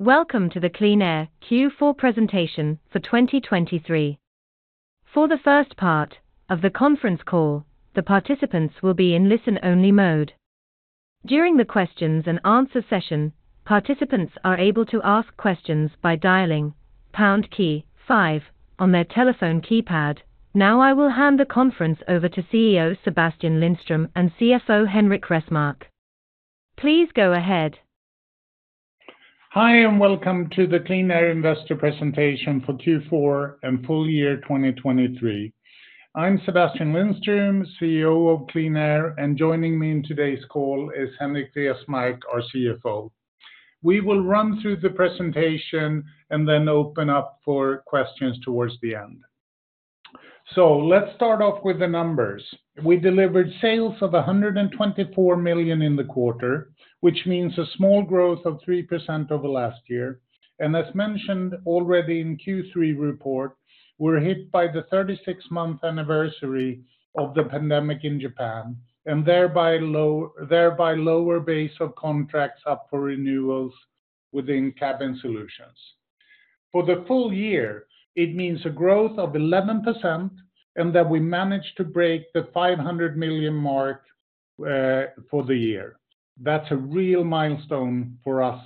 Welcome to the QleanAir Q4 presentation for 2023. For the first part of the conference call, the participants will be in listen-only mode. During the questions and answer session, participants are able to ask questions by dialing pound key five on their telephone keypad. Now, I will hand the conference over to CEO Sebastian Lindström and CFO Henrik Resmark. Please go ahead. Hi, and welcome to the QleanAir Investor Presentation for Q4 and full year 2023. I'm Sebastian Lindström, CEO of QleanAir, and joining me in today's call is Henrik Resmark, our CFO. We will run through the presentation and then open up for questions towards the end. So let's start off with the numbers. We delivered sales of 124 million in the quarter, which means a small growth of 3% over last year. And as mentioned already in Q3 report, we're hit by the 36th month anniversary of the pandemic in Japan, and thereby lower base of contracts up for renewals within cabin solutions. For the full year, it means a growth of 11% and that we managed to break the 500 million mark for the year. That's a real milestone for us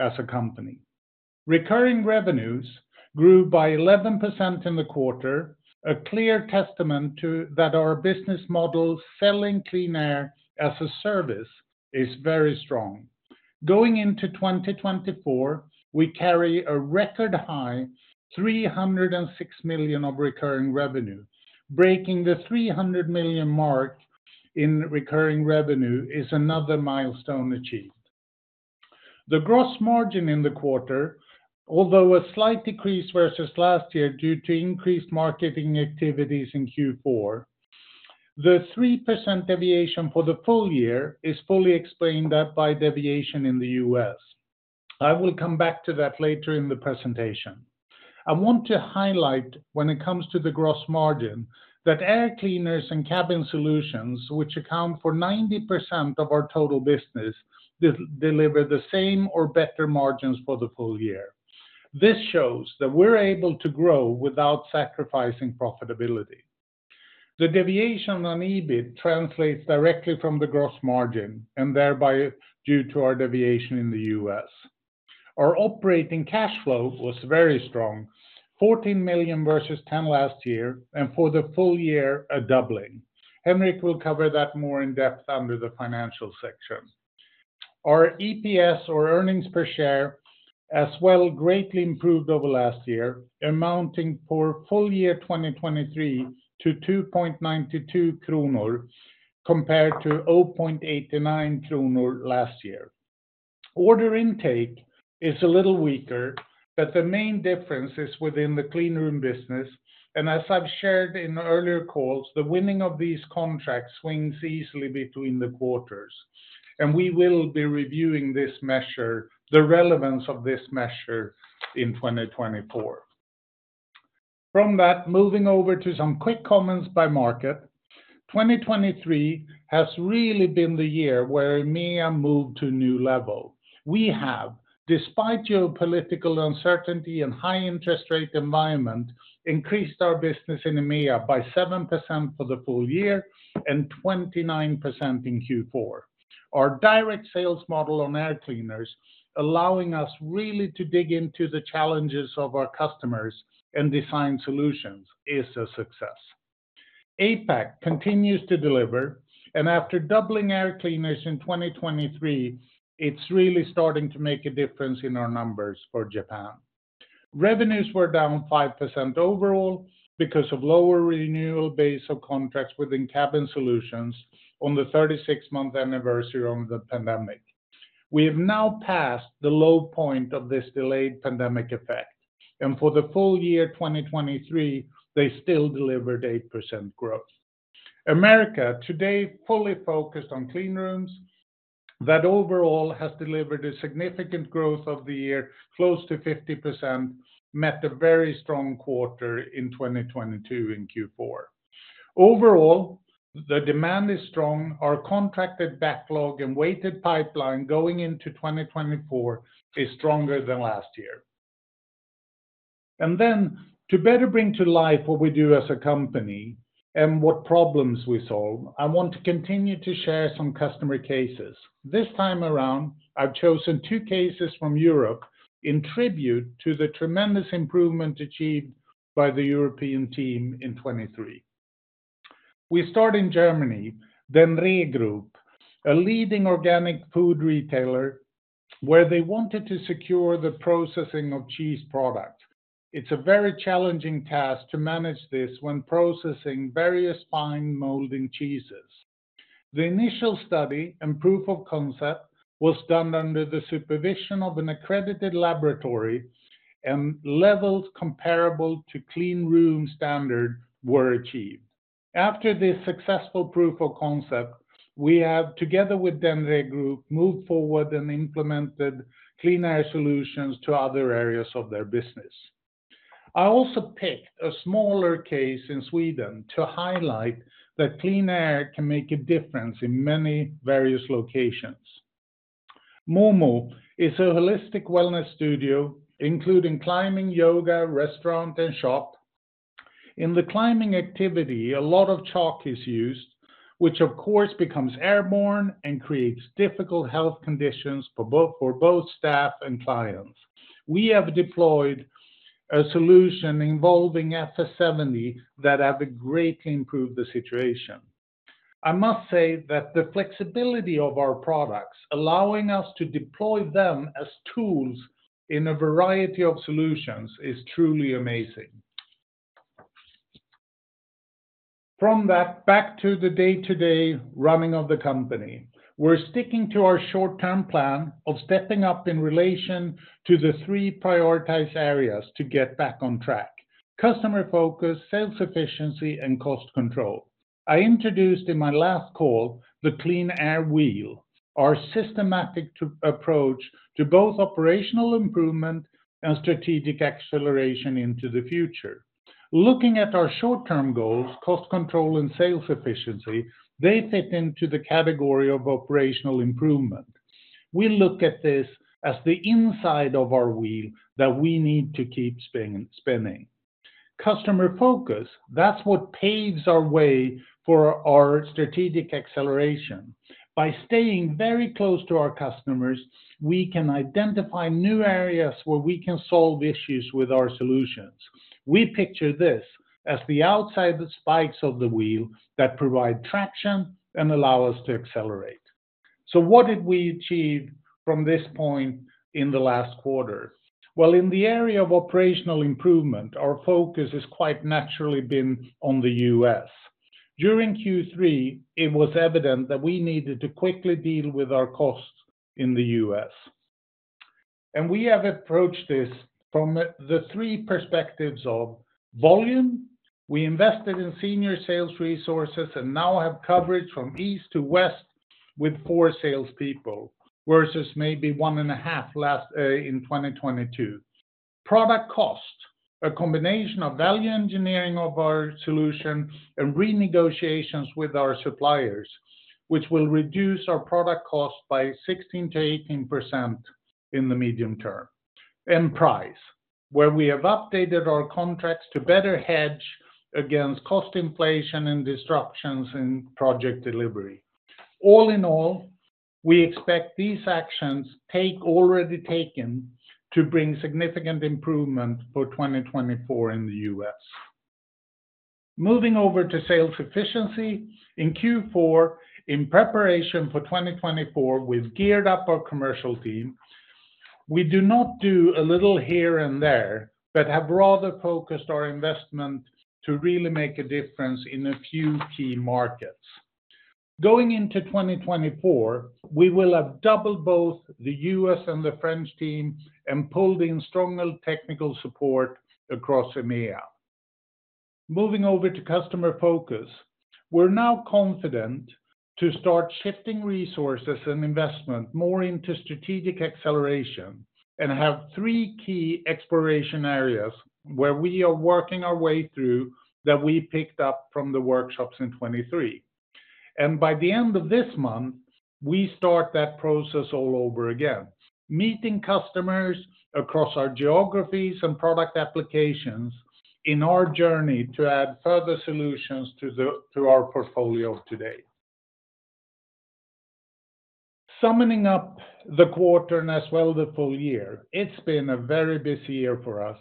as a company. Recurring revenues grew by 11% in the quarter, a clear testament to, that our business model, selling Clean Air as a service, is very strong. Going into 2024, we carry a record-high, 306 million of recurring revenue. Breaking the 300 million mark in recurring revenue is another milestone achieved. The gross margin in the quarter, although a slight decrease versus last year due to increased marketing activities in Q4, the 3% deviation for the full year is fully explained that by deviation in the U.S. I will come back to that later in the presentation. I want to highlight when it comes to the gross margin, that Air Cleaners and Cabin Solutions, which account for 90% of our total business, deliver the same or better margins for the full year. This shows that we're able to grow without sacrificing profitability. The deviation on EBIT translates directly from the gross margin and thereby due to our deviation in the U.S. Our operating cash flow was very strong, 14 million versus 10 last year, and for the full year, a doubling. Henrik will cover that more in-depth under the financial section. Our EPS or earnings per share, as well, greatly improved over last year, amounting for full year 2023 to 2.92 kronor, compared to 0.89 kronor last year. Order intake is a little weaker, but the main difference is within the Cleanrooms business, and as I've shared in earlier calls, the winning of these contracts swings easily between the quarters, and we will be reviewing this measure, the relevance of this measure in 2024. From that, moving over to some quick comments by market. 2023 has really been the year where EMEA moved to a new level. We have, despite geopolitical uncertainty and high interest rate environment, increased our business in EMEA by 7% for the full year and 29% in Q4. Our direct sales model on Air Cleaners, allowing us really to dig into the challenges of our customers and design solutions, is a success. APAC continues to deliver, and after doubling air cleaners in 2023, it's really starting to make a difference in our numbers for Japan. Revenues were down 5% overall because of lower renewal base of contracts within Cabin Solutions on the 36th-month anniversary of the pandemic. We have now passed the low point of this delayed pandemic effect, and for the full year 2023, they still delivered 8% growth. America, today, fully focused on Cleanrooms that overall has delivered a significant growth of the year, close to 50%, met a very strong quarter in 2022 in Q4. Overall, the demand is strong. Our contracted backlog and weighted pipeline going into 2024 is stronger than last year. And then to better bring to life what we do as a company and what problems we solve, I want to continue to share some customer cases. This time around, I've chosen two cases from Europe in tribute to the tremendous improvement achieved by the European team in 2023. We start in Germany, Dennree Group, a leading organic food retailer, where they wanted to secure the processing of cheese product. It's a very challenging task to manage this when processing various fine molding cheeses. The initial study and proof of concept was done under the supervision of an accredited laboratory, and levels comparable to cleanrooms standard were achieved. After this successful proof of concept, we have, together with Dennree Group, moved forward and implemented clean air solutions to other areas of their business. I also picked a smaller case in Sweden to highlight that clean air can make a difference in many various locations. MOMO is a holistic wellness studio, including climbing, yoga, restaurant, and shop. In the climbing activity, a lot of chalk is used, which of course, becomes airborne and creates difficult health conditions for both, for both staff and clients. We have deployed a solution involving FS 70 that have greatly improved the situation. I must say that the flexibility of our products, allowing us to deploy them as tools in a variety of solutions, is truly amazing. From that, back to the day-to-day running of the company, we're sticking to our short-term plan of stepping up in relation to the three prioritized areas to get back on track: customer focus, sales efficiency, and cost control. I introduced, in my last call, the Clean Air Wheel, our systematic approach to both operational improvement and strategic acceleration into the future. Looking at our short-term goals, cost control and sales efficiency, they fit into the category of operational improvement. We look at this as the inside of our wheel that we need to keep spinning. Customer focus, that's what paves our way for our strategic acceleration. By staying very close to our customers, we can identify new areas where we can solve issues with our solutions. We picture this as the outside spikes of the wheel that provide traction and allow us to accelerate. So what did we achieve from this point in the last quarter? Well, in the area of operational improvement, our focus has quite naturally been on the U.S. During Q3, it was evident that we needed to quickly deal with our costs in the U.S. We have approached this from the three perspectives of volume - we invested in senior sales resources and now have coverage from east to west with four salespeople, versus maybe 1.5 last in 2022. Product cost, a combination of value engineering of our solution and renegotiations with our suppliers, which will reduce our product cost by 16%-18% in the medium term. Price, where we have updated our contracts to better hedge against cost inflation and disruptions in project delivery. All in all, we expect these actions already taken to bring significant improvement for 2024 in the U.S. Moving over to sales efficiency, in Q4, in preparation for 2024, we've geared up our commercial team. We do not do a little here and there, but have rather focused our investment to really make a difference in a few key markets. Going into 2024, we will have doubled both the U.S. and the French team, and pulled in stronger technical support across EMEA. Moving over to customer focus, we're now confident to start shifting resources and investment more into strategic acceleration, and have three key exploration areas, where we are working our way through, that we picked up from the workshops in 2023. And by the end of this month, we start that process all over again, meeting customers across our geographies and product applications in our journey to add further solutions to the, to our portfolio today. Summing up the quarter and as well, the full year, it's been a very busy year for us.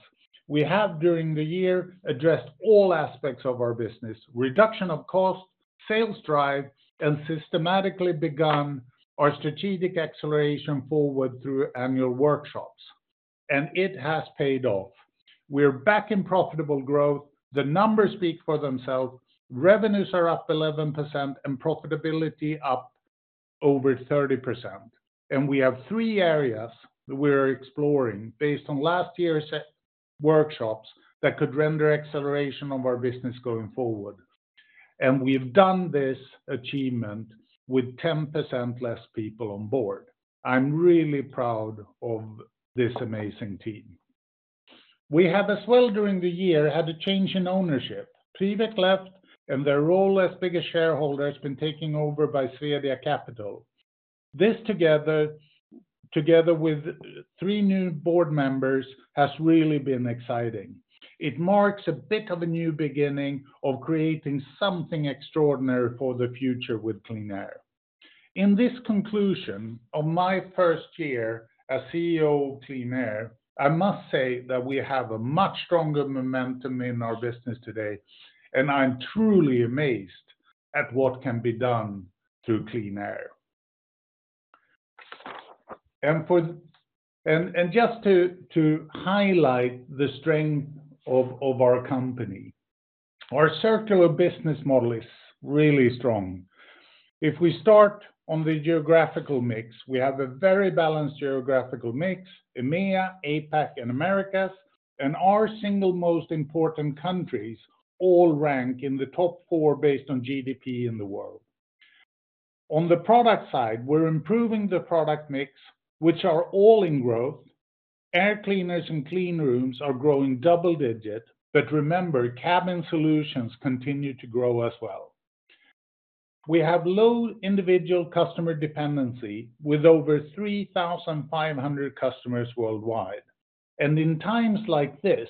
We have, during the year, addressed all aspects of our business: reduction of cost, sales drive, and systematically begun our strategic acceleration forward through annual workshops, and it has paid off. We're back in profitable growth. The numbers speak for themselves. Revenues are up 11% and profitability up over 30%. And we have three areas that we're exploring based on last year's workshops, that could render acceleration of our business going forward. And we've done this achievement with 10% less people on board. I'm really proud of this amazing team. We have as well, during the year, had a change in ownership. Priveq left, and their role as biggest shareholder has been taken over by Swedia Capital. This together with three new board members has really been exciting. It marks a bit of a new beginning of creating something extraordinary for the future with QleanAir. In this conclusion of my first year as CEO of QleanAir, I must say that we have a much stronger momentum in our business today, and I'm truly amazed at what can be done through QleanAir. And just to highlight the strength of our company, our circular business model is really strong. If we start on the geographical mix, we have a very balanced geographical mix, EMEA, APAC, and Americas, and our single most important countries all rank in the top four based on GDP in the world. On the product side, we're improving the product mix, which are all in growth. Air Cleaners and Cleanrooms are growing double-digit, but remember, cabin solutions continue to grow as well. We have low individual customer dependency, with over 3,500 customers worldwide. And in times like this,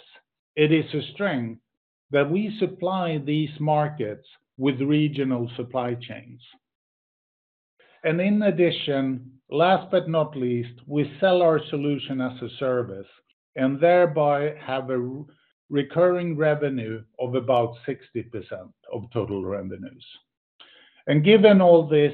it is a strength that we supply these markets with regional supply chains. And in addition, last but not least, we sell our solution as a service, and thereby have a recurring revenue of about 60% of total revenues. Given all this,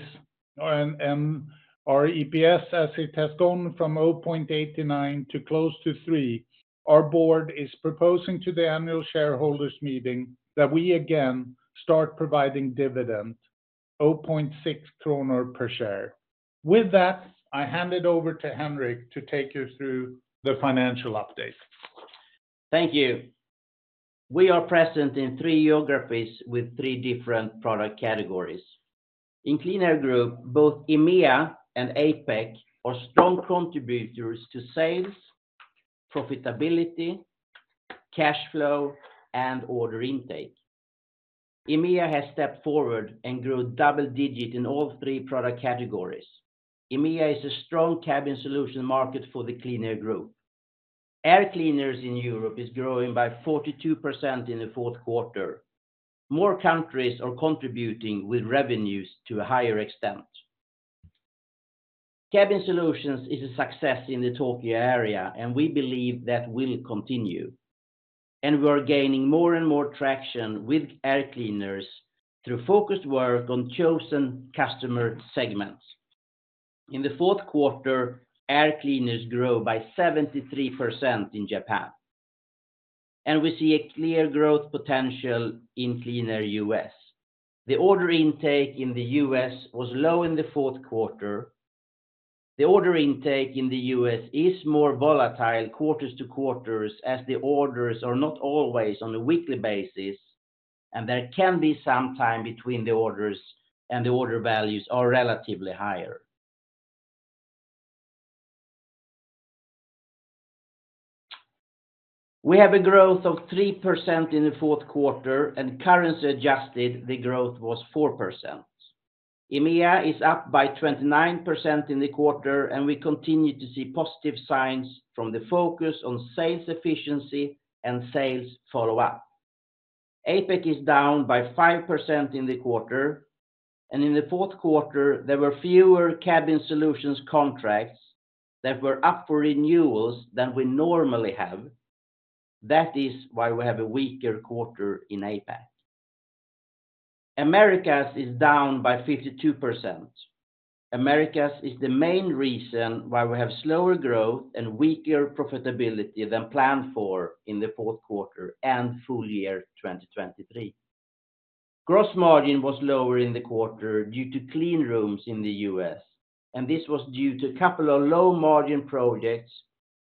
our EPS, as it has gone from 0.89 to close to 3, our board is proposing to the annual shareholders meeting that we again start providing dividend, 0.6 kronor per share. With that, I hand it over to Henrik to take you through the financial update. Thank you. We are present in three geographies with three different product categories. In QleanAir, both EMEA and APAC are strong contributors to sales, profitability, cash flow, and order intake. EMEA has stepped forward and grew double digit in all three product categories. EMEA is a strong cabin solution market for QleanAir. Air cleaners in Europe is growing by 42% in the fourth quarter. More countries are contributing with revenues to a higher extent. Cabin solutions is a success in the Tokyo area, and we believe that will continue. And we are gaining more and more traction with Air Cleaners through focused work on chosen customer segments. In the fourth quarter, Air Cleaners grow by 73% in Japan, and we see a clear growth potential in cleanroom US. The order intake in the U.S. was low in the fourth quarter. The order intake in the U.S. is more volatile quarters to quarters, as the orders are not always on a weekly basis, and there can be some time between the orders, and the order values are relatively higher. We have a growth of 3% in the fourth quarter, and currency adjusted, the growth was 4%. EMEA is up by 29% in the quarter, and we continue to see positive signs from the focus on sales efficiency and sales follow-up. APAC is down by 5% in the quarter, and in the fourth quarter, there were fewer cabin solutions contracts that were up for renewals than we normally have. That is why we have a weaker quarter in APAC. Americas is down by 52%. Americas is the main reason why we have slower growth and weaker profitability than planned for in the fourth quarter and full year 2023. Gross margin was lower in the quarter due to cleanrooms in the U.S., and this was due to a couple of low-margin projects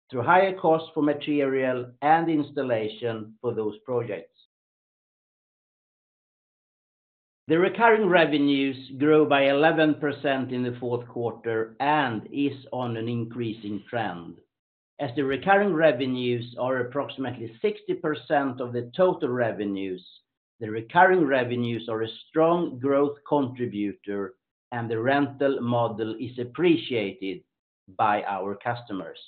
through higher costs for material and installation for those projects. The recurring revenues grow by 11% in the fourth quarter and is on an increasing trend. As the recurring revenues are approximately 60% of the total revenues, the recurring revenues are a strong growth contributor, and the rental model is appreciated by our customers.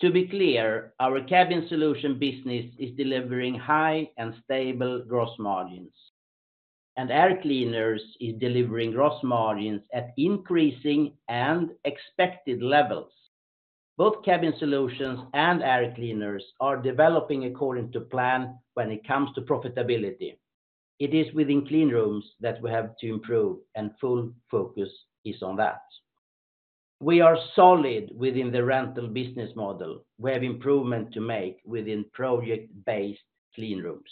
To be clear, our Cabin Solution business is delivering high and stable gross margins, and Air Cleaners is delivering gross margins at increasing and expected levels. Both Cabin Solutions and Air Cleaners are developing according to plan when it comes to profitability. It is within Cleanrooms that we have to improve, and full focus is on that. We are solid within the rental business model. We have improvement to make within project-based cleanrooms.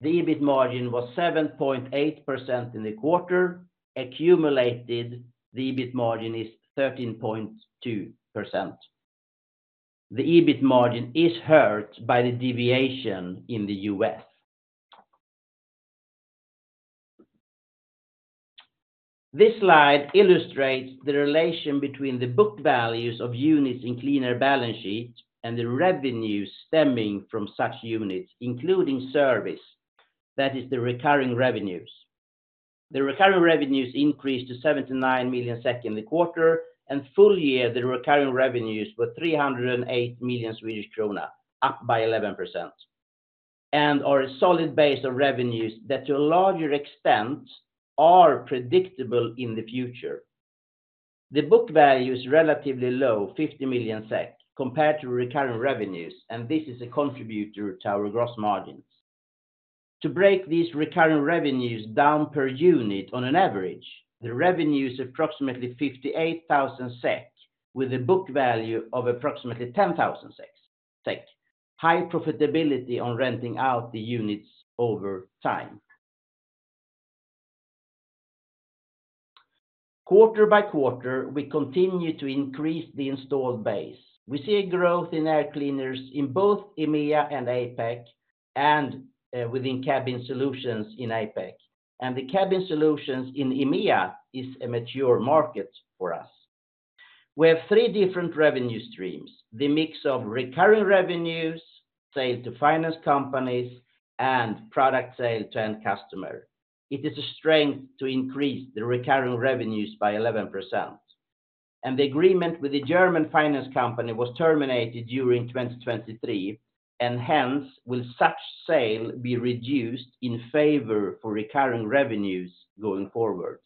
The EBIT margin was 7.8% in the quarter. Accumulated, the EBIT margin is 13.2%. The EBIT margin is hurt by the deviation in the U.S. This slide illustrates the relation between the book values of units in QleanAir balance sheet and the revenues stemming from such units, including service, that is the recurring revenues. The recurring revenues increased to 79 million SEK in the quarter, and full year, the recurring revenues were 308 million Swedish krona, up by 11%, and are a solid base of revenues that to a larger extent, are predictable in the future. The book value is relatively low, 50 million SEK, compared to recurring revenues, and this is a contributor to our gross margins. To break these recurring revenues down per unit on an average, the revenue is approximately 58,000 SEK, with a book value of approximately 10,000 SEK. High profitability on renting out the units over time. Quarter by quarter, we continue to increase the installed base. We see a growth in Air Cleaners in both EMEA and APAC... and within Cabin Solutions in APAC. And the Cabin Solutions in EMEA is a mature market for us. We have three different revenue streams: the mix of recurring revenues, sale to finance companies, and product sale to end customer. It is a strength to increase the recurring revenues by 11%. The agreement with the German finance company was terminated during 2023, and hence, such sales will be reduced in favor of recurring revenues going forward.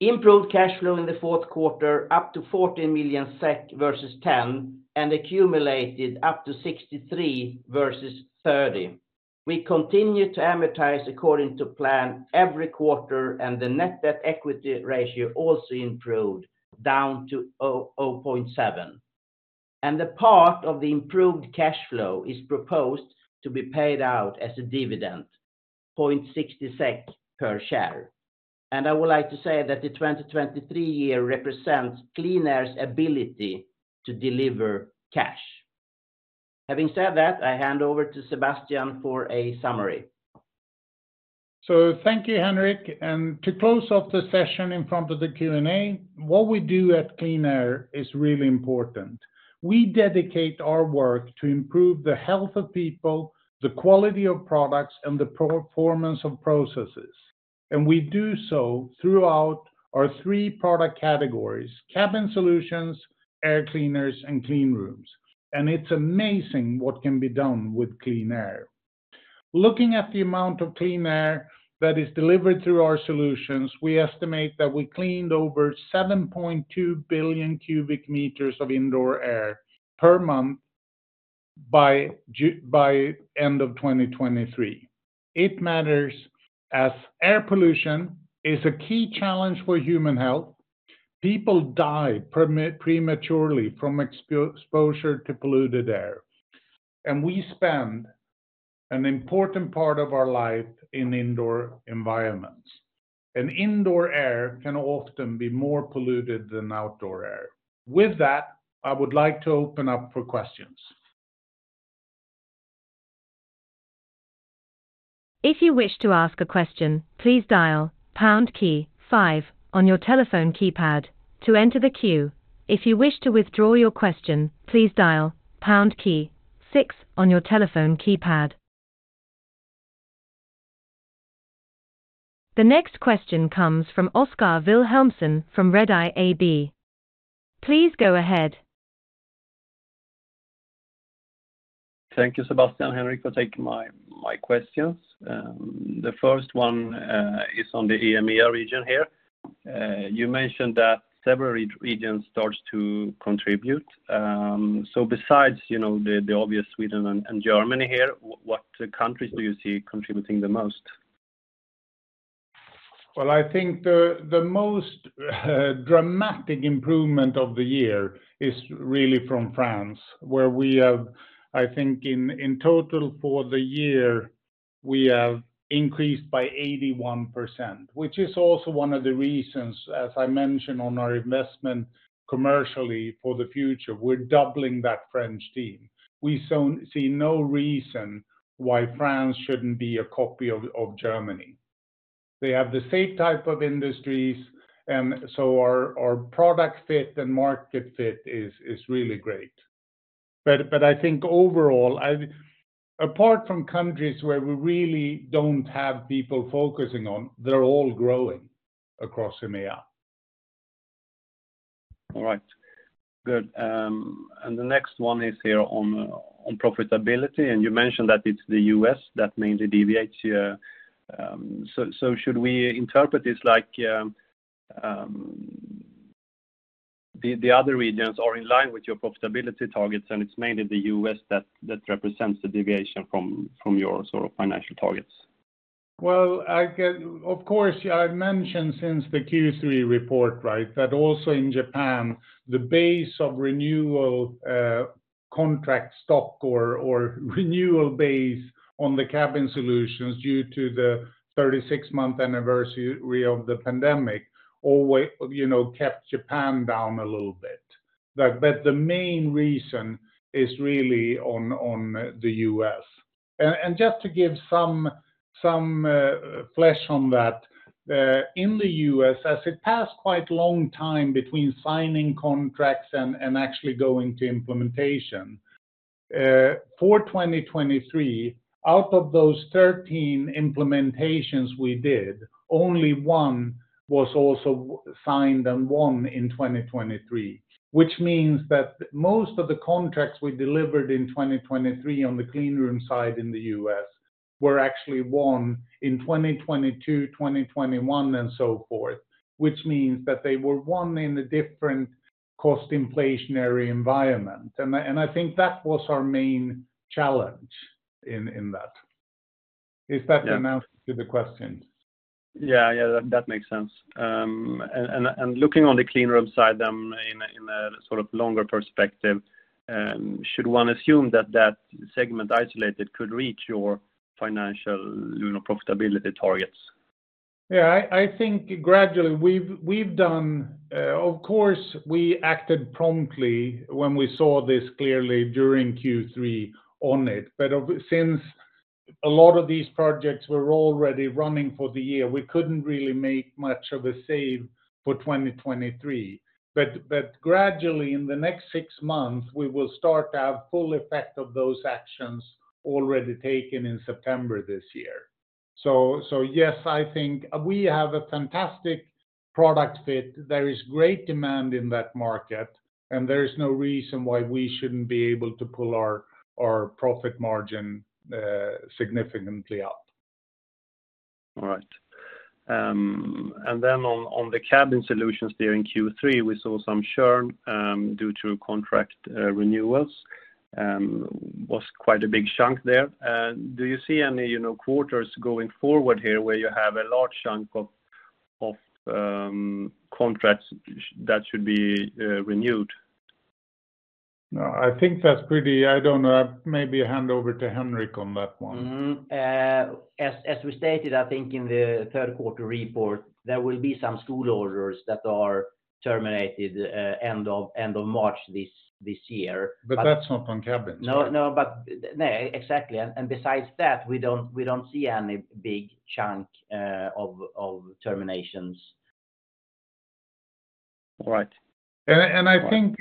Improved cash flow in the fourth quarter, up to 14 million SEK versus 10 million, and accumulated up to 63 million versus 30 million. We continue to amortize according to plan every quarter, and the net debt equity ratio also improved, down to 0.7. The part of the improved cash flow is proposed to be paid out as a dividend, 0.60 SEK per share. I would like to say that the 2023 year represents QleanAir's ability to deliver cash. Having said that, I hand over to Sebastian for a summary. So thank you, Henrik. And to close off the session in front of the Q&A, what we do at QleanAir is really important. We dedicate our work to improve the health of people, the quality of products, and the performance of processes. And we do so throughout our three product categories: Cabin Solutions, Air Cleaners, and Cleanrooms. And it's amazing what can be done with QleanAir. Looking at the amount of clean air that is delivered through our solutions, we estimate that we cleaned over 7.2 billion cubic meters of indoor air per month by end of 2023. It matters as air pollution is a key challenge for human health. People die prematurely from exposure to polluted air, and we spend an important part of our life in indoor environments. Indoor air can often be more polluted than outdoor air. With that, I would like to open up for questions. If you wish to ask a question, please dial pound key five on your telephone keypad to enter the queue. If you wish to withdraw your question, please dial pound key six on your telephone keypad. The next question comes from Oskar Vilhelmsson, from Redeye AB. Please go ahead. Thank you, Sebastian and Henrik, for taking my, my questions. The first one is on the EMEA region here. You mentioned that several regions starts to contribute. So besides, you know, the obvious Sweden and Germany here, what countries do you see contributing the most? Well, I think the most dramatic improvement of the year is really from France, where we have, I think in total for the year, we have increased by 81%, which is also one of the reasons, as I mentioned, on our investment commercially for the future, we're doubling that French team. We also see no reason why France shouldn't be a copy of Germany. They have the same type of industries, and so our product fit and market fit is really great. But I think overall, apart from countries where we really don't have people focusing on, they're all growing across EMEA. All right. Good, and the next one is here on profitability, and you mentioned that it's the U.S. that mainly deviates here. So, should we interpret this like, the other regions are in line with your profitability targets, and it's mainly the U.S. that represents the deviation from your sort of financial targets? Well, of course, I've mentioned since the Q3 report, right, that also in Japan, the base of renewal, contract stock or, or renewal base on the cabin solutions due to the 36-month anniversary of the pandemic, always—you know, kept Japan down a little bit. But the main reason is really on the U.S. And just to give some flesh on that, in the U.S., as it passed quite a long time between signing contracts and actually going to implementation, for 2023, out of those 13 implementations we did, only one was also signed and won in 2023. Which means that most of the contracts we delivered in 2023 on the Cleanrooms side in the U.S., were actually won in 2022, 2021, and so forth, which means that they were won in a different cost inflationary environment. And I think that was our main challenge in that. Yeah. Is that an answer to the question? Yeah, yeah, that makes sense. And looking on the Cleanrooms side, in a sort of longer perspective, should one assume that that segment isolated could reach your financial, you know, profitability targets?... Yeah, I think gradually we've done, of course, we acted promptly when we saw this clearly during Q3 on it. But since a lot of these projects were already running for the year, we couldn't really make much of a save for 2023. But gradually, in the next six months, we will start to have full effect of those actions already taken in September this year. So, yes, I think we have a fantastic product fit. There is great demand in that market, and there is no reason why we shouldn't be able to pull our profit margin significantly up. All right. And then on, on the Cabin Solutions there in Q3, we saw some churn due to contract renewals was quite a big chunk there. Do you see any, you know, quarters going forward here where you have a large chunk of, of contracts that should be renewed? No, I think that's pretty-- I don't know, maybe hand over to Henrik on that one. Mm-hmm. As we stated, I think in the third quarter report, there will be some school orders that are terminated end of March this year. But that's not on cabins. No, no, but... Yeah, exactly. And besides that, we don't see any big chunk of terminations. All right. I think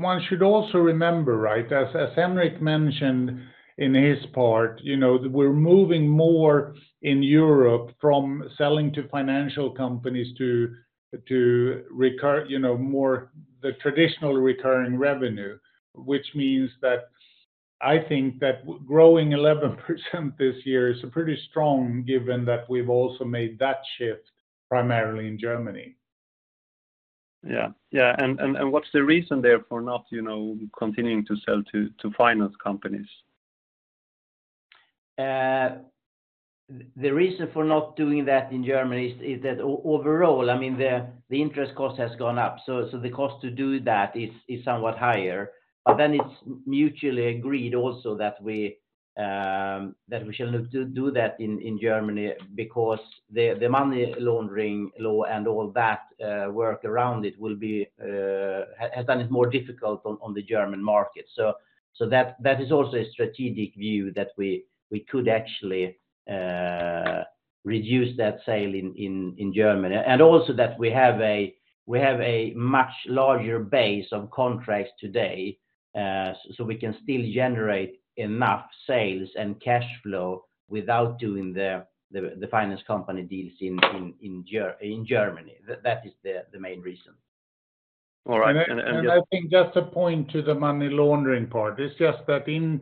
one should also remember, right, as Henrik mentioned in his part, you know, we're moving more in Europe from selling to financial companies to recur, you know, more the traditional recurring revenue, which means that I think that growing 11% this year is pretty strong, given that we've also made that shift primarily in Germany. Yeah. Yeah, and, and what's the reason there for not, you know, continuing to sell to, to finance companies? The reason for not doing that in Germany is that overall, I mean, the interest cost has gone up, so the cost to do that is somewhat higher. But then it's mutually agreed also that we shall do that in Germany, because the money laundering law and all that work around it will be has done it more difficult on the German market. So that is also a strategic view that we could actually reduce that sale in Germany. And also that we have a much larger base of contracts today, so we can still generate enough sales and cash flow without doing the finance company deals in Germany. That is the main reason. All right, and I think just to point to the money laundering part, it's just that in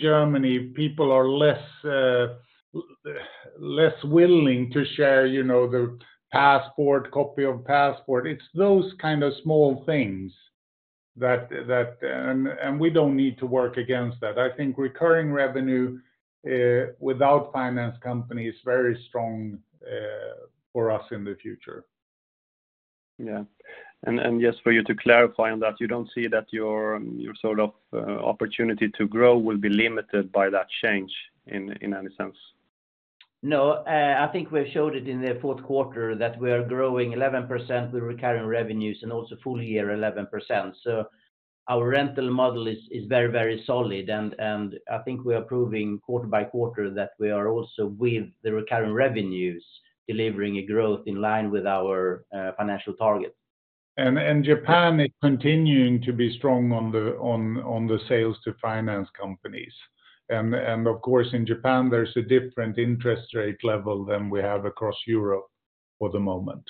Germany, people are less willing to share, you know, the passport copy of passport. It's those small things that we don't need to work against that. I think recurring revenue without finance company is very strong for us in the future. Yeah. And just for you to clarify on that, you don't see that your sort of opportunity to grow will be limited by that change in any sense? No, I think we showed it in the fourth quarter that we are growing 11% with recurring revenues and also full year, 11%. So our rental model is very, very solid, and I think we are proving quarter by quarter that we are also with the recurring revenues, delivering a growth in line with our financial target. And Japan is continuing to be strong on the sales to finance companies. And of course, in Japan, there's a different interest rate level than we have across Europe for the moment.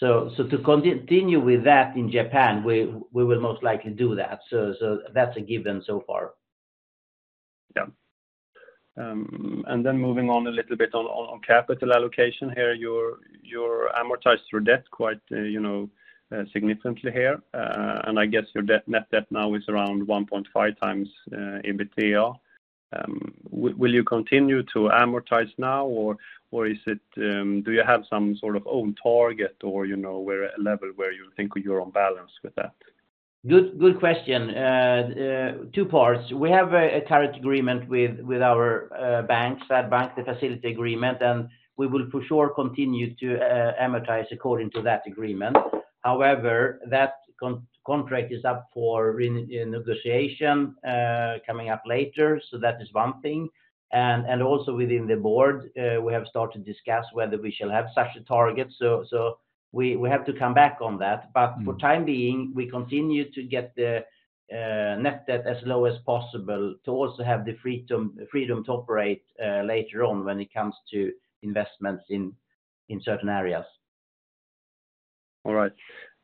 So to continue with that in Japan, we will most likely do that. So that's a given so far. Yeah. And then moving on a little bit on, on capital allocation here, your, your amortized debt quite, you know, significantly here. And I guess your debt, net debt now is around 1.5x EBITDA. Will, will you continue to amortize now, or, or is it, do you have some sort of own target or, you know, where a level where you think you're on balance with that? Good, good question. Two parts. We have a current agreement with our banks, that banking facility agreement, and we will for sure continue to amortize according to that agreement. However, that contract is up for renegotiation coming up later. So that is one thing. And also within the board, we have started to discuss whether we shall have such a target. So we have to come back on that. But for the time being, we continue to get the net debt as low as possible to also have the freedom to operate later on when it comes to investments in certain areas. All right.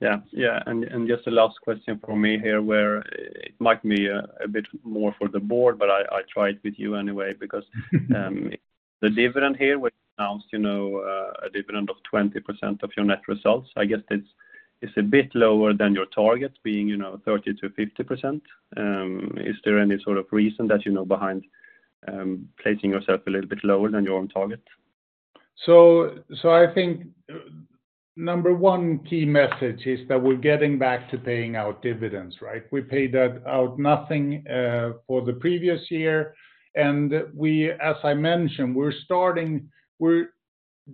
Yeah, yeah. And just a last question for me here, where it might be a bit more for the board, but I try it with you anyway, because the dividend here was announced, you know, a dividend of 20% of your net results. I guess it's a bit lower than your target being, you know, 30%-50%. Is there any sort of reason that you know behind placing yourself a little bit lower than your own target? So I think number one key message is that we're getting back to paying out dividends, right? We paid out nothing for the previous year, and we, as I mentioned, we're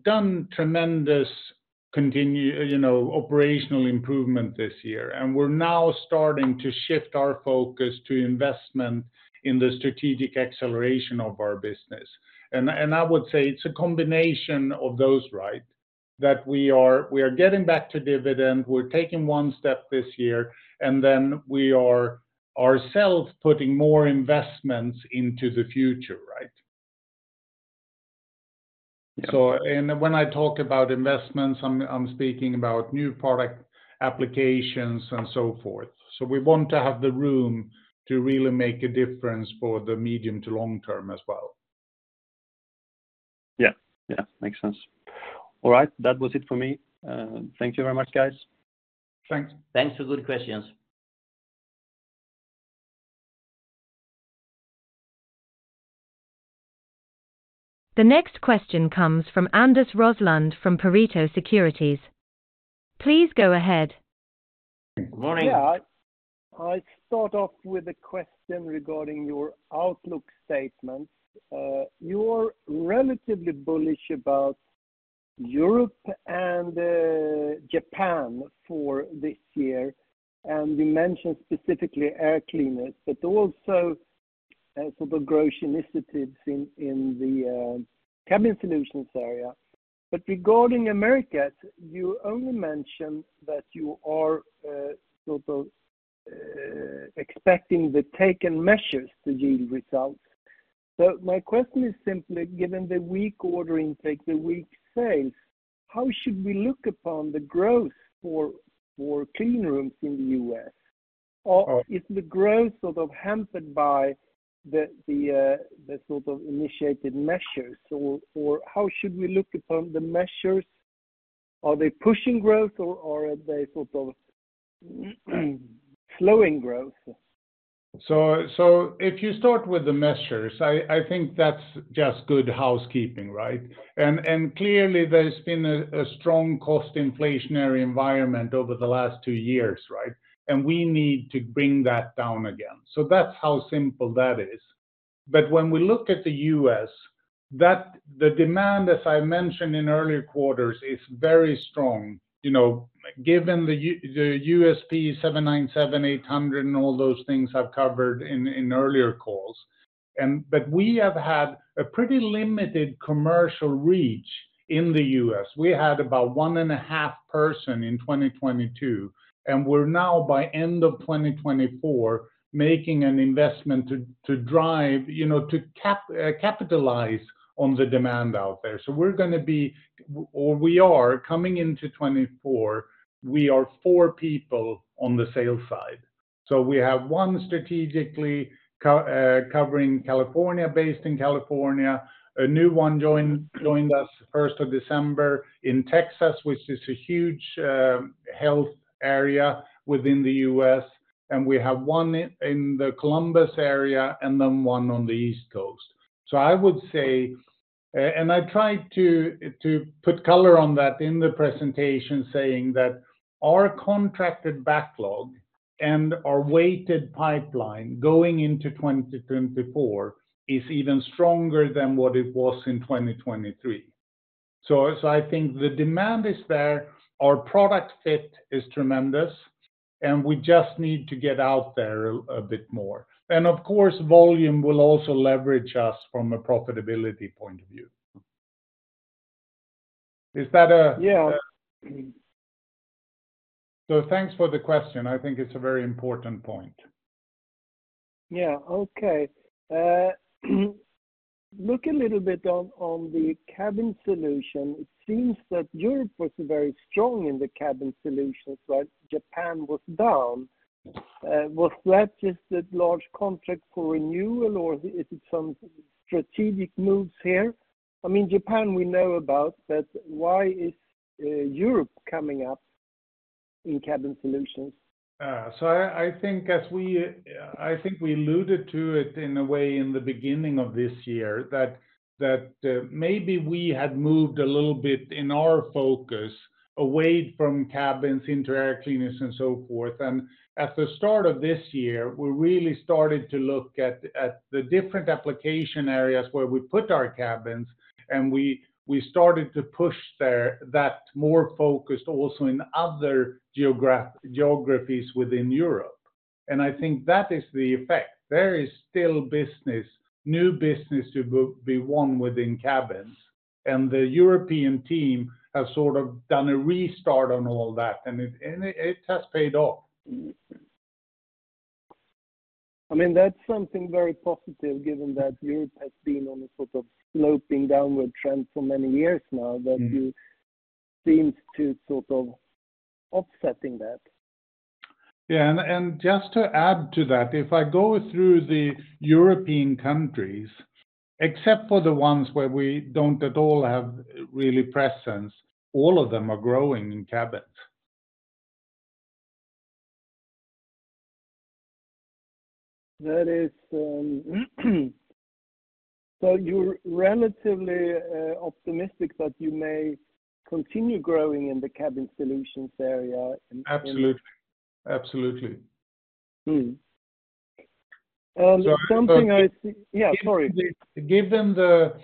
doing tremendous continued operational improvement this year, you know. We're now starting to shift our focus to investment in the strategic acceleration of our business. I would say it's a combination of those, right? That we are getting back to dividend. We're taking one step this year, and then we are ourselves putting more investments into the future, right? When I talk about investments, I'm speaking about new product applications and so forth. We want to have the room to really make a difference for the medium to long term as well. Yeah. Yeah, makes sense. All right. That was it for me. Thank you very much, guys. Thanks. Thanks for good questions. The next question comes from Anders Roslund from Pareto Securities. Please go ahead. Good morning. Yeah. I start off with a question regarding your outlook statement. You are relatively bullish about Europe and Japan for this year, and you mentioned specifically Air Cleaners, but also sort of growth initiatives in the Cabin Solutions area. But regarding Americas, you only mentioned that you are sort of expecting the taken measures to yield results. So my question is simply, given the weak order intake, the weak sales, how should we look upon the growth for Cleanrooms in the U.S.? Or is the growth sort of hampered by the initiated measures? Or how should we look upon the measures? Are they pushing growth, or are they sort of slowing growth? So if you start with the measures, I think that's just good housekeeping, right? And clearly, there's been a strong cost inflationary environment over the last two years, right? And we need to bring that down again. So that's how simple that is. But when we look at the U.S., the demand, as I mentioned in earlier quarters, is very strong. You know, given the USP 797, 800, and all those things I've covered in earlier calls. But we have had a pretty limited commercial reach in the U.S. We had about 1.5 people in 2022, and we're now, by end of 2024, making an investment to drive, you know, to capitalize on the demand out there. So we're gonna be, or we are coming into 2024, we are four people on the sales side. So we have one strategically covering California, based in California, a new one joined us first of December in Texas, which is a huge health area within the U.S., and we have one in the Columbus area, and then one on the East Coast. So I would say, and I tried to put color on that in the presentation, saying that our contracted backlog and our weighted pipeline going into 2024 is even stronger than what it was in 2023. So I think the demand is there, our product fit is tremendous, and we just need to get out there a bit more. And of course, volume will also leverage us from a profitability point of view. Is that a- Yeah. Thanks for the question. I think it's a very important point. Yeah, okay. Look a little bit on, on the Cabin Solutions. It seems that Europe was very strong in the Cabin Solutions, right? Japan was down. Was that just a large contract for renewal, or is it some strategic moves here? I mean, Japan, we know about, but why is Europe coming up in Cabin Solutions? So, I think as we, I think we alluded to it in a way in the beginning of this year, that, that, maybe we had moved a little bit in our focus away from cabins into air cleaners and so forth. And at the start of this year, we really started to look at, at the different application areas where we put our cabins, and we, we started to push there that more focused also in other geographies within Europe. And I think that is the effect. There is still business, new business to be won within cabins, and the European team have sort of done a restart on all that, and it, and it, it has paid off. I mean, that's something very positive, given that Europe has been on a sort of sloping downward trend for many years now- Mm. that you seem to sort of offsetting that. Yeah, and, and just to add to that, if I go through the European countries, except for the ones where we don't at all have really presence, all of them are growing in cabins. ... That is, so you're relatively optimistic that you may continue growing in the Cabin Solutions area? Absolutely. Absolutely. Something I see- So- Yeah, sorry. Given the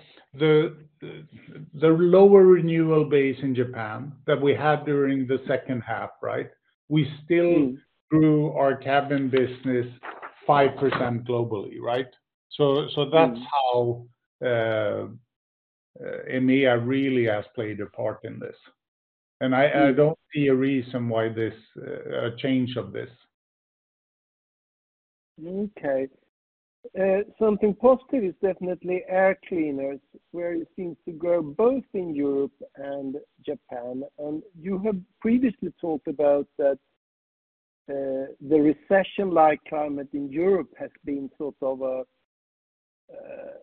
lower renewal base in Japan that we had during the second half, right? We still- Mm -grew our cabin business 5% globally, right? So that's how EMEA really has played a part in this. And I don't see a reason why this a change of this. Okay. Something positive is definitely air cleaners, where it seems to grow both in Europe and Japan. And you have previously talked about that, the recession-like climate in Europe has been sort of a,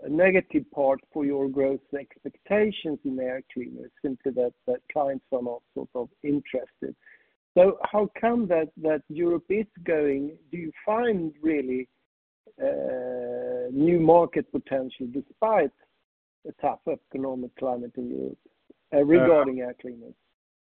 a negative part for your growth expectations in air cleaners, simply that the clients are not sort of interested. So how come that Europe is going? Do you find really, new market potential despite the tough economic climate in Europe, regarding air cleaners?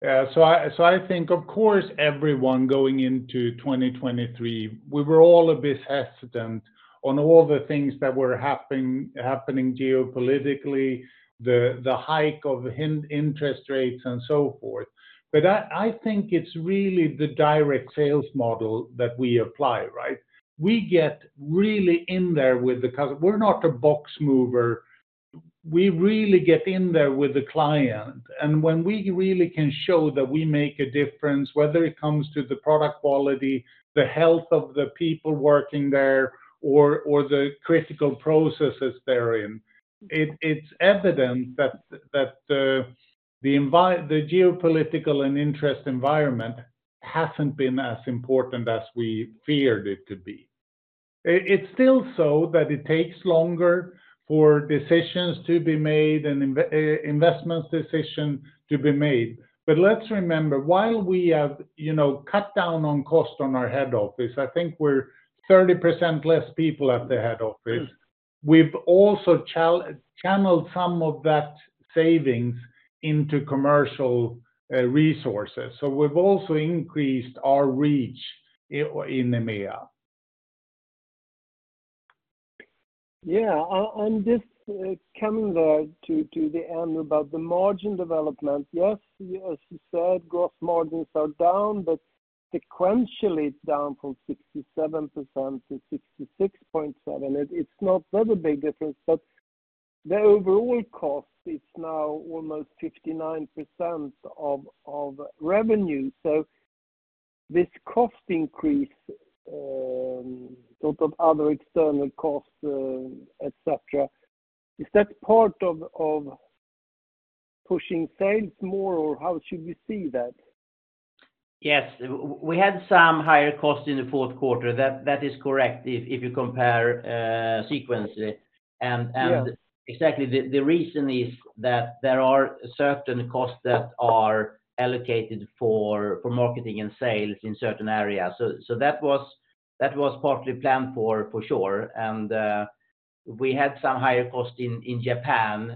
Yeah. So I think, of course, everyone going into 2023, we were all a bit hesitant on all the things that were happening geopolitically, the hike in interest rates, and so forth. But I think it's really the direct sales model that we apply, right? We get really in there with the customer. We're not a box mover. We really get in there with the client, and when we really can show that we make a difference, whether it comes to the product quality, the health of the people working there, or the critical processes they're in, it's evident that the geopolitical and interest environment hasn't been as important as we feared it to be. It's still so that it takes longer for decisions to be made and investment decisions to be made. But let's remember, while we have, you know, cut down on cost on our head office, I think we're 30% less people at the head office. Mm. We've also channeled some of that savings into commercial resources. So we've also increased our reach in EMEA. Yeah, and just coming there to the end about the margin development. Yes, as you said, gross margins are down, but sequentially, it's down from 67%-66.7%It's not that a big difference, but the overall cost is now almost 59% of revenue. So this cost increase, sort of other external costs, et cetera, is that part of pushing sales more, or how should we see that? Yes, we had some higher costs in the fourth quarter. That is correct if you compare sequentially. Yeah. Exactly the reason is that there are certain costs that are allocated for marketing and sales in certain areas. So that was partly planned for, for sure, and we had some higher cost in Japan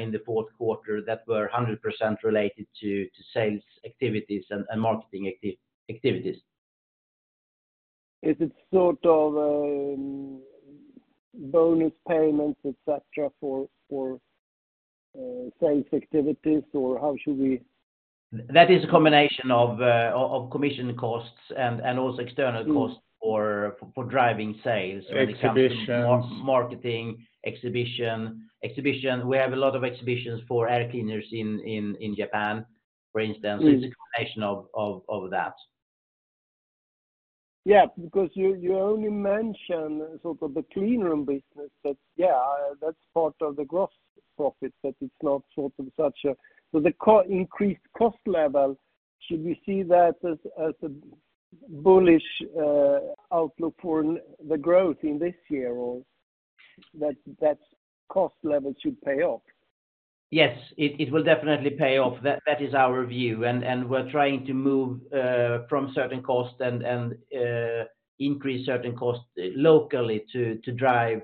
in the fourth quarter that were 100% related to sales activities and marketing activities. Is it sort of bonus payments, et cetera, for sales activities, or how should we? That is a combination of commission costs and also external- Mm -costs for driving sales- Exhibitions When it comes to marketing, exhibitions. We have a lot of exhibitions for air cleaners in Japan, for instance. Mm. It's a combination of that. Yeah, because you, you only mention sort of the Cleanrooms business, but, yeah, that's part of the gross profits, but it's not sort of such a... So the increased cost level, should we see that as, as a bullish outlook for the growth in this year, or that, that cost level should pay off? Yes, it will definitely pay off. That is our view, and we're trying to move from certain costs and increase certain costs locally to drive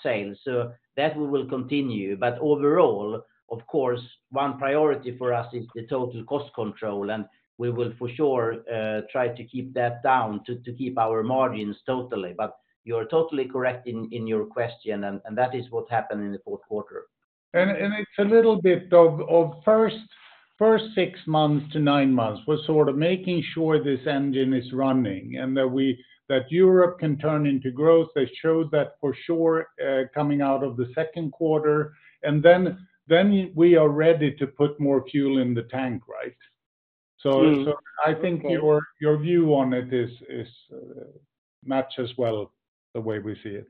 sales. So that we will continue. But overall, of course, one priority for us is the total cost control, and we will, for sure, try to keep that down, to keep our margins totally. But you're totally correct in your question, and that is what happened in the fourth quarter. It's a little bit of first six months to nine months, we're sort of making sure this engine is running and that Europe can turn into growth. They showed that for sure, coming out of the second quarter, and then we are ready to put more fuel in the tank, right? Mm. So, I think your view on it is matches well the way we see it.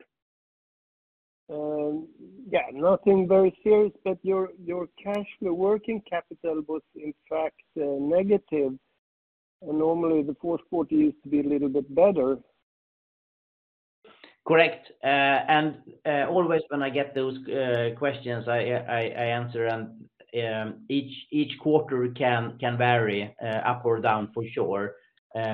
Yeah, nothing very serious, but your, your cash, the working capital, was in fact negative, and normally the fourth quarter used to be a little bit better. Correct. And always when I get those questions, I answer, and each quarter can vary up or down for sure.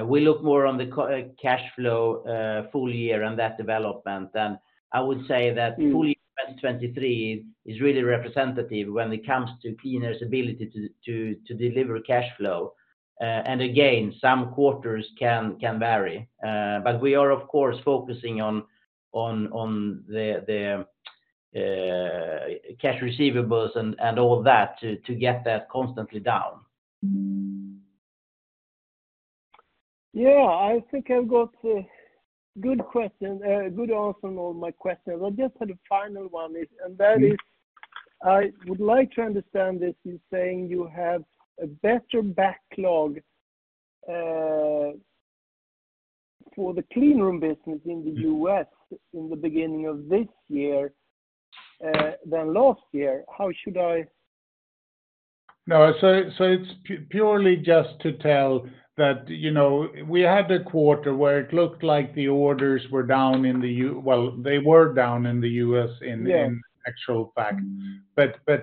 We look more on the cash flow full year and that development. And I would say that full year 2023 is really representative when it comes to QleanAir's ability to deliver cash flow. And again, some quarters can vary. But we are, of course, focusing on the cash receivables and all that to get that constantly down. Yeah, I think I've got a good question, good answer on all my questions. I just had a final one, and that is, I would like to understand this, you're saying you have a better backlog, for the cleanrooms business in the U.S. in the beginning of this year, than last year. How should I? No, so it's purely just to tell that, you know, we had a quarter where it looked like the orders were down in the U.S. Well, they were down in the U.S. in- Yeah... actual fact. But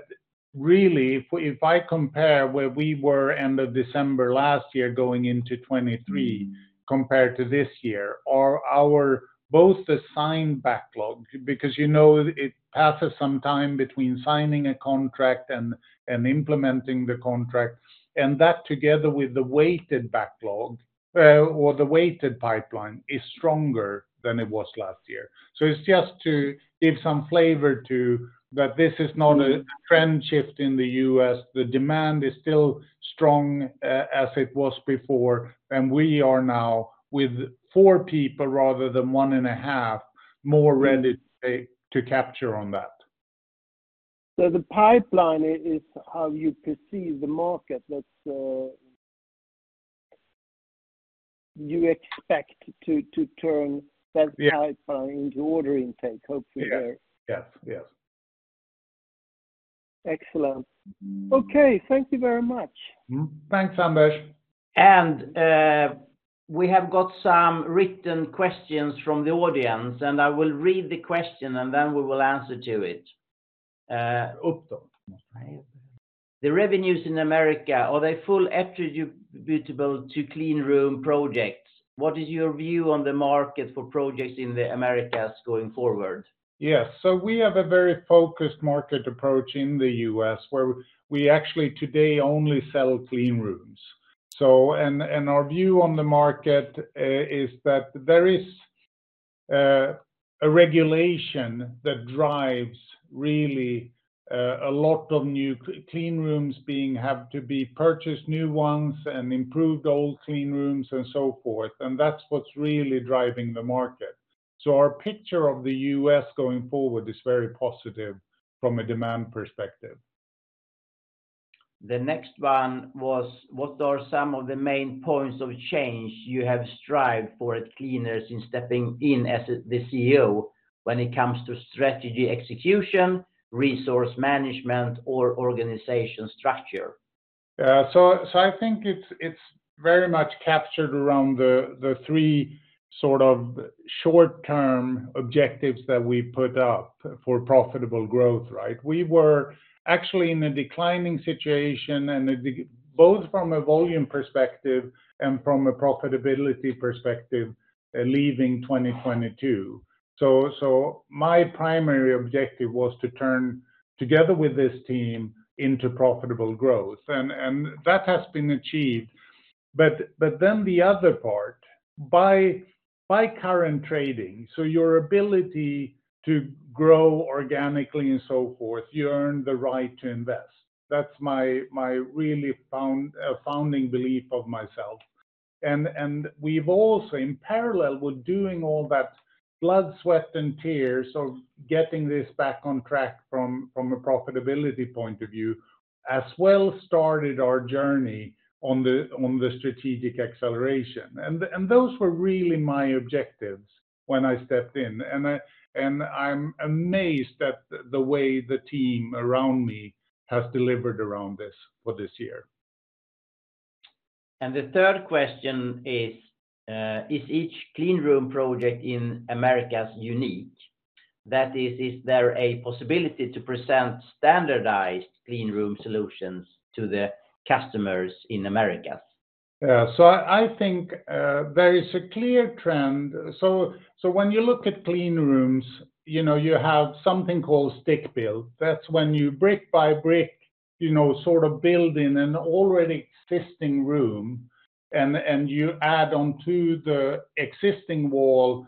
really, if I compare where we were end of December last year, going into 2023, compared to this year, our both the signed backlog, because, you know, it passes some time between signing a contract and implementing the contract, and that together with the weighted backlog or the weighted pipeline, is stronger than it was last year. So it's just to give some flavor to that this is not a trend shift in the U.S. The demand is still strong as it was before, and we are now with four people rather than one and a half, more ready to capture on that. So the pipeline is how you perceive the market, that you expect to turn- Yeah that pipeline into order intake, hopefully. Yes. Yes, yes. Excellent. Okay, thank you very much. Thanks, Anders. We have got some written questions from the audience, and I will read the question, and then we will answer to it. The revenues in America, are they fully attributable to cleanrooms projects? What is your view on the market for projects in the Americas going forward? Yes. So we have a very focused market approach in the U.S., where we actually today only sell cleanrooms. So, our view on the market is that there is a regulation that drives really a lot of new cleanrooms being, have to be purchased, new ones, and improved old cleanrooms, and so forth. And that's what's really driving the market. So our picture of the U.S. going forward is very positive from a demand perspective. The next one was, what are some of the main points of change you have strived for at QleanAir since stepping in as the CEO when it comes to strategy, execution, resource management, or organization structure? So, I think it's very much captured around the three sort of short-term objectives that we put up for profitable growth, right? We were actually in a declining situation, and decline both from a volume perspective and from a profitability perspective, leaving 2022. So, my primary objective was to turn, together with this team, into profitable growth, and that has been achieved. But then the other part, by current trading, so your ability to grow organically and so forth, you earn the right to invest. That's my really founding belief of myself. And we've also, in parallel with doing all that blood, sweat, and tears of getting this back on track from a profitability point of view, as well, started our journey on the strategic acceleration. Those were really my objectives when I stepped in, and I'm amazed at the way the team around me has delivered around this for this year. The third question is, is each cleanrooms project in Americas unique? That is, is there a possibility to present standardized cleanrooms solutions to the customers in Americas? Yeah. So I think there is a clear trend. So when you look at Cleanrooms, you know, you have something called stick build. That's when you brick by brick, you know, sort of build in an already existing room, and you add onto the existing wall,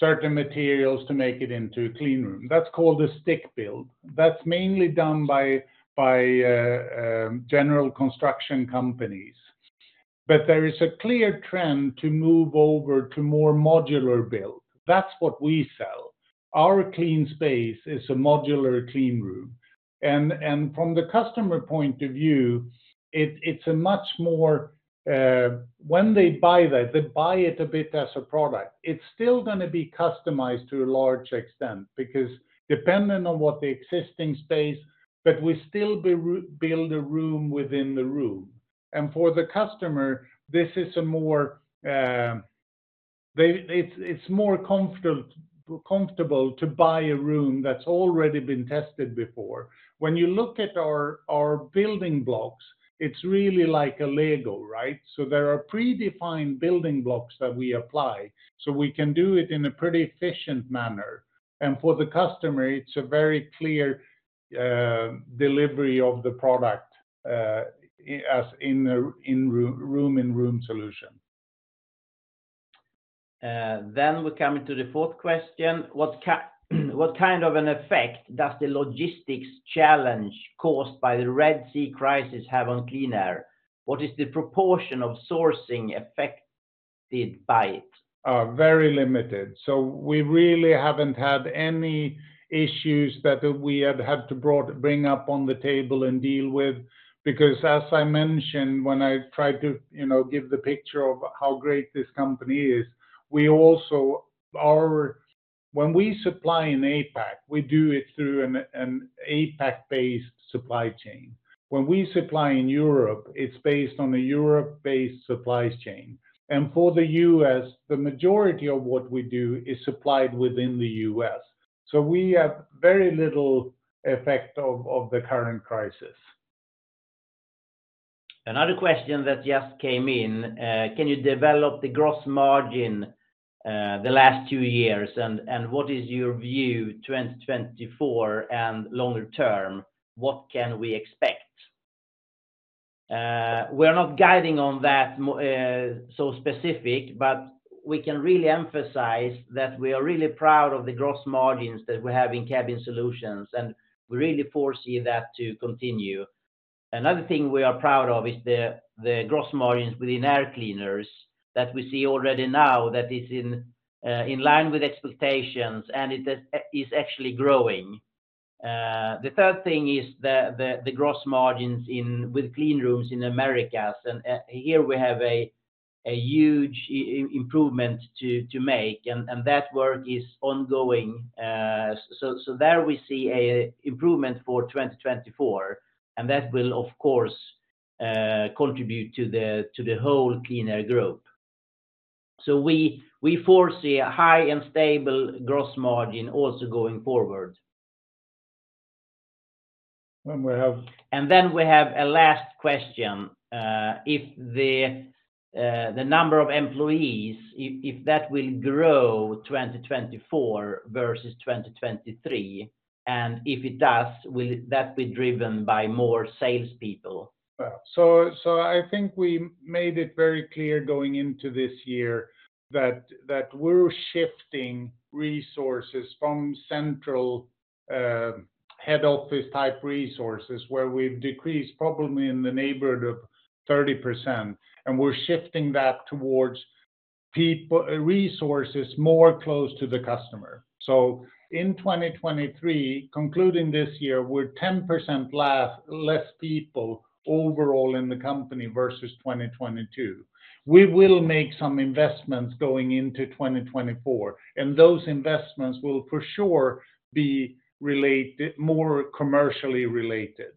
certain materials to make it into a cleanroom. That's called a stick build. That's mainly done by general construction companies. But there is a clear trend to move over to more modular build. That's what we sell. Our QleanSpace is a modular cleanroom, and from the customer point of view, it, it's a much more... When they buy that, they buy it a bit as a product. It's still gonna be customized to a large extent because depending on what the existing space, but we still build a room within the room. And for the customer, this is a more... They, it's, it's more comfortable to buy a room that's already been tested before. When you look at our, our building blocks, it's really like a lego, right? So there are predefined building blocks that we apply, so we can do it in a pretty efficient manner. And for the customer, it's a very clear delivery of the product, as in a room-in-room solution. Then we come into the fourth question. What kind of an effect does the logistics challenge caused by the Red Sea crisis have on QleanAir? What is the proportion of sourcing affected by it? Very limited. So we really haven't had any issues that we have had to bring up on the table and deal with. Because as I mentioned, when I tried to, you know, give the picture of how great this company is, we also, when we supply in APAC, we do it through an APAC-based supply chain. When we supply in Europe, it's based on a Europe-based supply chain. And for the US, the majority of what we do is supplied within the US. So we have very little effect of the current crisis. Another question that just came in, "Can you develop the gross margin, the last two years, and what is your view 2024 and longer term? What can we expect?" We're not guiding on that more so specific, but we can really emphasize that we are really proud of the gross margins that we have in Cabin Solutions, and we really foresee that to continue. Another thing we are proud of is the gross margins within air cleaners, that we see already now that is in line with expectations, and it is actually growing. The third thing is the gross margins in with cleanrooms in Americas. And here we have a huge improvement to make, and that work is ongoing. So, so there we see an improvement for 2024, and that will, of course, contribute to the, to the whole QleanAir group. So we, we foresee a high and stable gross margin also going forward. And we have- Then we have a last question. If the number of employees, if that will grow 2024 versus 2023, and if it does, will that be driven by more salespeople? Well, so I think we made it very clear going into this year that we're shifting resources from central head office type resources, where we've decreased probably in the neighborhood of 30%, and we're shifting that towards people resources more close to the customer. So in 2023, concluding this year, we're 10% less people overall in the company versus 2022. We will make some investments going into 2024, and those investments will, for sure, be related, more commercially related.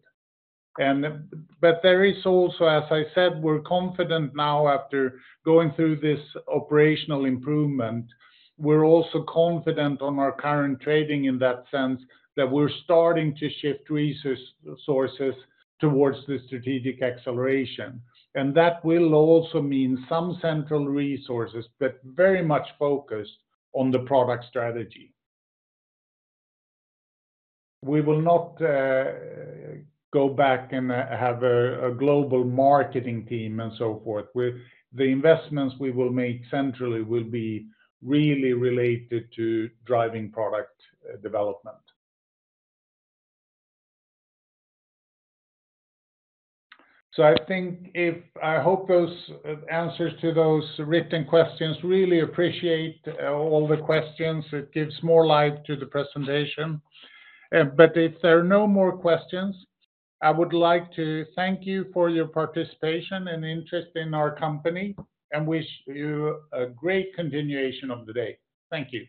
And but there is also, as I said, we're confident now after going through this operational improvement, we're also confident on our current trading in that sense, that we're starting to shift sources towards the strategic acceleration. And that will also mean some central resources, but very much focused on the product strategy. We will not go back and have a global marketing team and so forth. The investments we will make centrally will be really related to driving product development. So I think. I hope those answers to those written questions. Really appreciate all the questions. It gives more life to the presentation. But if there are no more questions, I would like to thank you for your participation and interest in our company, and wish you a great continuation of the day. Thank you.